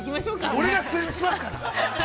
◆俺がしますから。